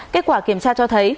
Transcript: kết quả kiểm tra cho thấy